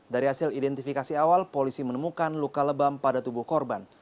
dari hasil identifikasi awal polisi menemukan luka lebam pada tubuh korban